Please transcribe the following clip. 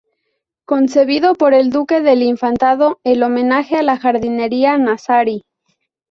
Concebido por el duque del Infantado en homenaje a la jardinería nazarí.